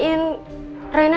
raina dari tengah